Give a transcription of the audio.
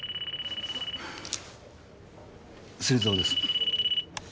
芹沢です。